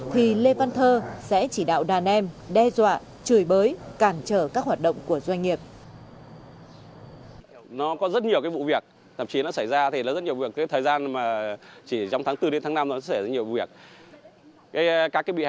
thì lê văn thơ sẽ chỉ đạo đàn em đe dọa chửi bới cản trở các hoạt động của doanh nghiệp